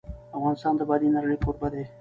افغانستان د بادي انرژي کوربه دی.